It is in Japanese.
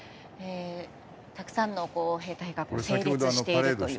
たくさんの兵隊が整列しているという。